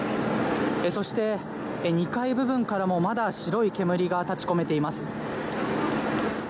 そして２階部分からもまだ白い煙が立ち込めています。